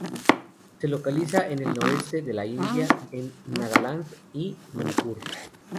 Se localiza en el noreste de la India, en Nagaland y Manipur.